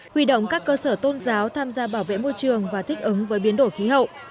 huy động các cơ sở tôn giáo tham gia bảo vệ môi trường và thích ứng với biến đổi khí hậu